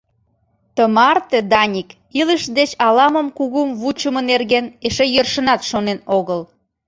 Тымарте Даник илыш деч ала-мом кугум вучымо нерген эше йӧршынат шонен огыл.